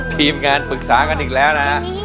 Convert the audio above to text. ทีมงานปรึกษากันอีกแล้วนะฮะ